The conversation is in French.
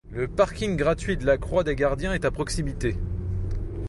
Le parking gratuit de La Croix des Gardiens est à proximité.